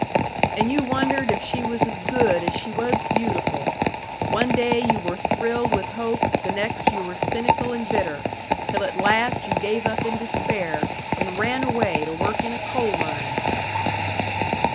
"And you wondered if she was as good as she was beautiful! One day you were thrilled with hope, the next you were cynical and bitter till at last you gave up in despair, and ran away to work in a coal mine!"